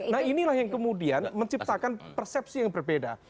nah inilah yang kemudian menciptakan persepsi yang berbeda